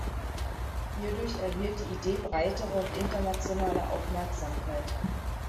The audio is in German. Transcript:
Hierdurch erhielt die Idee breitere und internationale Aufmerksamkeit.